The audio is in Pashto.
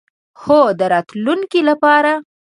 هو، د راتلونکی لپاره